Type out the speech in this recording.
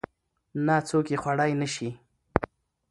نه څوک يې خوړى نشي.